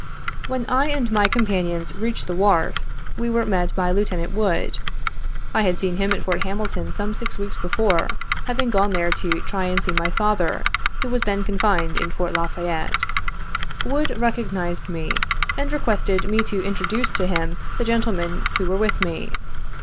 When I and my companions reached the wharf, we were met by Lieut. Wood. I had seen him at Fort Hamilton some six weeks before, having gone there to try and see my father, who was then confined in Fort La Fayette. Wood recognized me, and requested me to introduce to him the gentlemen who were with me.